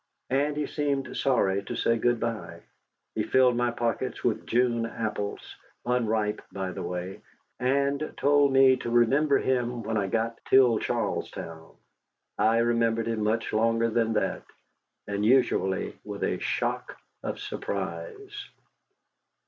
And he seemed sorry to say good by. He filled my pockets with June apples unripe, by the way and told me to remember him when I got till Charlestown. I remembered him much longer than that, and usually with a shock of surprise.